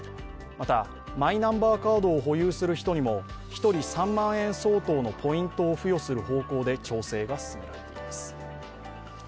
また、マイナンバーカードを保有する人にも一人３万円相当のポイントを付与する方向で調整が進められています。